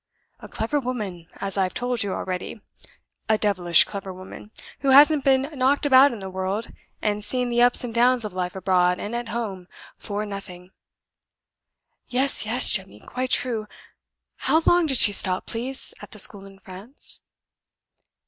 A clever woman, as I've told you already! A devilish clever woman, who hasn't been knocked about in the world, and seen the ups and downs of life abroad and at home, for nothing." "Yes, yes, Jemmy; quite true. How long did she stop, please, at the school in France?"